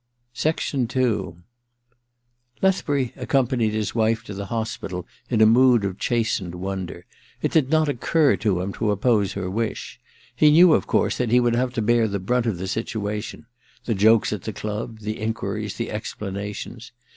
...* II Lethbury accompanied his wife to the hospital in a mood of chastened wonder. It did not occur to him to oppose her wisL He knew, of course, that he would have to bear the brunt of the situation : the jokes at the club, the enquiries, the explanations.